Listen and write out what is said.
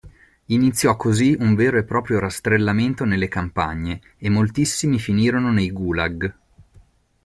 Iniziò così un vero e proprio rastrellamento nelle campagne, e moltissimi finirono nei gulag.